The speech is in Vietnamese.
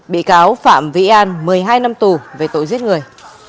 bị cáo phạm vĩ an một mươi hai năm tù về tội giết người